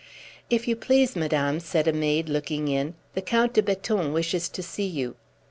"If you please, madame," said a maid, looking in, "the Count de Beton wishes to see you."